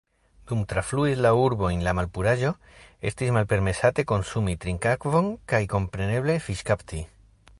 Dum trafluis la urbojn la malpuraĵo, estis malpermesate konsumi trinkakvon kaj kompreneble fiŝkapti.